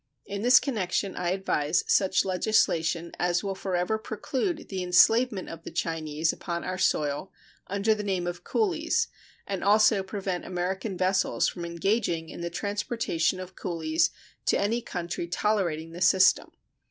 In this connection I advise such legislation as will forever preclude the enslavement of the Chinese upon our soil under the name of coolies, and also prevent American vessels from engaging in the transportation of coolies to any country tolerating the system.